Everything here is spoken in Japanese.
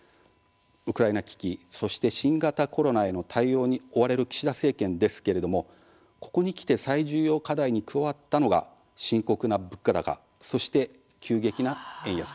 ウクライナ危機、そして新型コロナへの対応に追われる岸田政権ですけれどもここにきて最重要課題に加わったのが深刻な物価高そして急激な円安です。